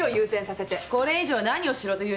これ以上何をしろと言うんです？